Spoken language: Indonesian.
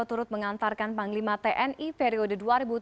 turut mengantarkan panglima tni periode dua ribu tujuh belas dua ribu